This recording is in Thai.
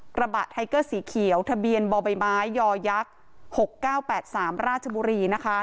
กระบะไทเกอร์สีเขียวทะเบียนบ่อใบไม้ยอยักษ์๖๙๘๓ราชบุรีนะคะ